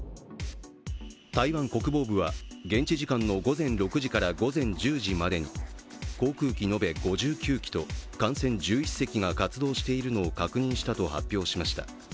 台湾国防部は現地時間の午前６時から午前１０時までに航空延べ５９機と艦船１１隻が活動しているのを確認したと発表しました。